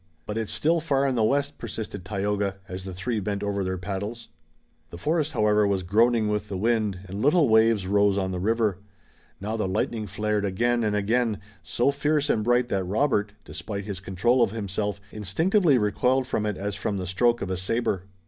"But it's still far in the west," persisted Tayoga, as the three bent over their paddles. The forest, however, was groaning with the wind, and little waves rose on the river. Now the lightning flared again and again, so fierce and bright that Robert, despite his control of himself, instinctively recoiled from it as from the stroke of a saber.